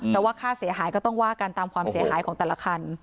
แต่ว่าค่าเสียหายก็ต้องว่ากันตามความเสียหายของแต่ละคัน